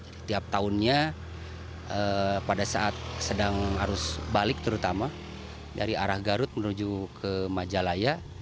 setiap tahunnya pada saat sedang arus balik terutama dari arah garut menuju ke majalaya